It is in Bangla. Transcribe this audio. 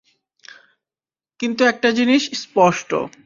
কিন্তু একটা জিনিস স্পষ্ট।